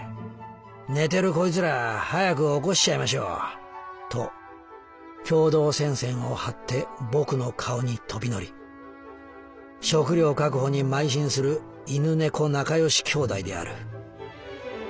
寝てるコイツら早く起こしちゃいましょう！』と共同戦線を張って僕の顔に飛び乗り食料確保に邁進する犬猫なかよしきょうだいである」。